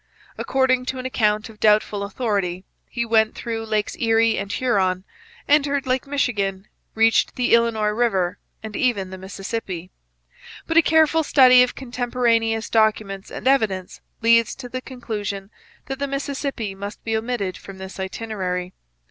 According to an account of doubtful authority, he went through Lakes Erie and Huron, entered Lake Michigan, reached the Illinois river, and even the Mississippi. But a careful study of contemporaneous documents and evidence leads to the conclusion that the Mississippi must be omitted from this itinerary.